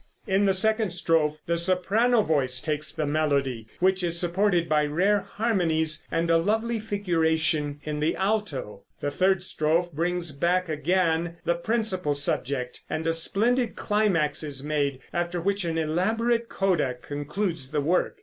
In the second strophe the soprano voice takes the melody, which is supported by rare harmonies and a lovely figuration in the alto. The third strophe brings back again the principal subject, and a splendid climax is made, after which an elaborate coda concludes the work.